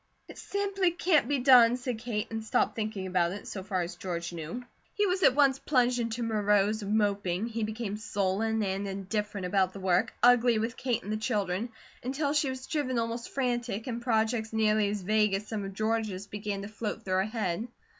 "It simply can't be done," said Kate, and stopped thinking about it, so far as George knew. He was at once plunged into morose moping; he became sullen and indifferent about the work, ugly with Kate and the children, until she was driven almost frantic, and projects nearly as vague as some of George's began to float through her head.